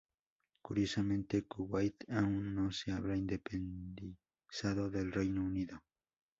Curiosamente, Kuwait aún no se había independizado del Reino Unido.